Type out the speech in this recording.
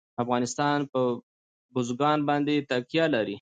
افغانستان په بزګان باندې تکیه لري.